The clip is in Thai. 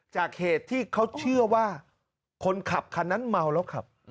เหตุที่เขาเชื่อว่าคนขับคันนั้นเมาแล้วขับ